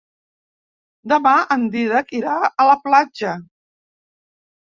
Demà en Dídac irà a la platja.